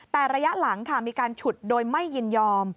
แต่ระยะหลังค่ะมีการฉุดโดยไม่ยินยอม